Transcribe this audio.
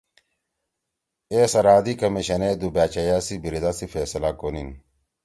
اے سرحدی کمیشن اے دُو بأچیئا سی بِیریدا سی فیصلہ کونیِن